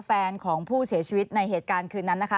แฟนของผู้เสียชีวิตในเหตุการณ์คืนนั้นนะคะ